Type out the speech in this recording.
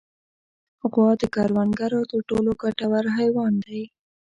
غوا د کروندګرو تر ټولو ګټور حیوان دی.